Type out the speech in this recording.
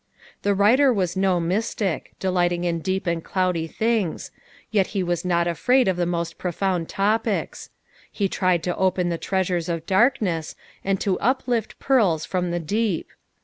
''' The writer was no mystic, delighting in deep and cloudy things, yet he was not afraid of the most profound topics ; he tried to open the treasures of darkness, and to uplift pearls from the deep.